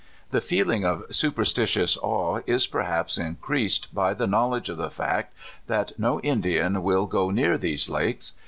The feeling of superstitious awe is perhaps in creased by the knowledge of the fact that no Indian will go near these lakes.